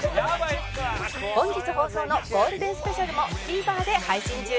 本日放送のゴールデンスペシャルも ＴＶｅｒ で配信中です